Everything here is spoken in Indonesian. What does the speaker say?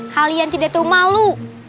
kalian tidak tahu malu